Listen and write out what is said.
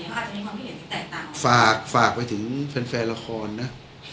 อาจจะมีความเข้าใจเมื่อกี้แต่ละฝากฝากไว้ถึงแฟรราคอนน่ะ